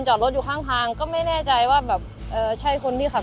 สวัสดีครับที่ได้รับความรักของคุณ